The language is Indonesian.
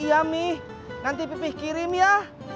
iya nih nanti pipih kirim ya